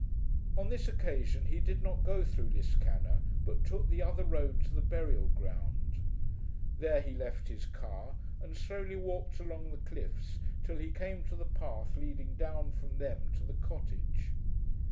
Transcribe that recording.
On this occasion he did not go through Liscannor, but took the other road to the burial ground. There he left his car and slowly walked along the cliffs till he came to the path leading down from them to the cottage.